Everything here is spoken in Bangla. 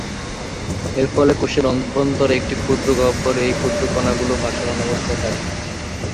এর ফলে কোষের অভ্যন্তরে একটি ক্ষুদ্র গহ্বরে এই ক্ষুদ্র কণাগুলো ভাসমান অবস্থায় থাকে।